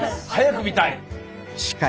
早く見たいです。